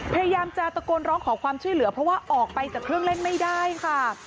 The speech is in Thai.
พยายามจะตะโกนร้องขอความช่วยเหลือเพราะว่าออกไปจากเครื่องเล่นไม่ได้ค่ะ